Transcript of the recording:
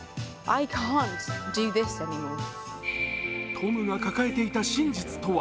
トムが抱えていた真実とは？